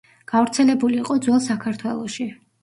გავრცელებული იყო ძველ საქართველოში.